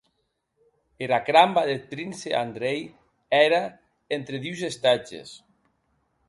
Era cramba deth prince Andrei ère entre dus estatges.